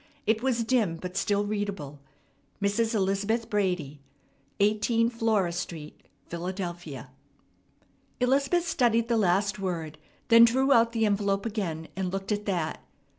It was dim but still readable, "Mrs. Elizabeth Brady, 18 Flora Street, Philadelphia." Elizabeth studied the last word, then drew out the envelope again, and looked at that.